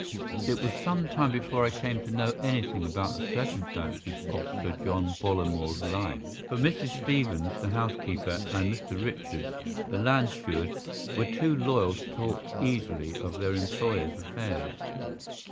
It was some time before I came to know anything about the circumstances of Sir John Bollamore's life, for Mrs. Stevens, the housekeeper, and Mr. Richards, the land steward, were too loyal to talk easily of their employer's affairs.